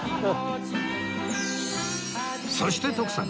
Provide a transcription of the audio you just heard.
そして徳さん